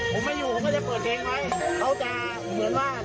ผมไม่อยู่ผมก็จะเปิดเพลงไว้เขาจะเหมือนว่าเราอยู่กับเขาตลอด